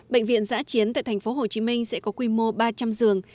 bệnh viện giã chiến tại tp hcm sẽ có quy mô ba trăm linh giường